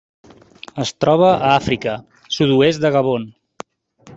Es troba a Àfrica: sud-oest de Gabon.